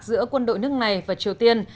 giữa quân đội nước này và triều tiên